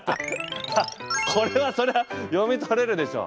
これはそれは読み取れるでしょ。